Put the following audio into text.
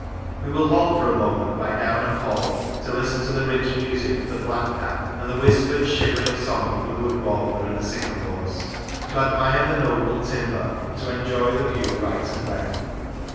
We will halt for a moment by Downham Hall, to listen to the rich music of the blackcap, and the whispered shivering song of the wood warbler in the sycamores; to admire the noble timber, and to enjoy the view right and left.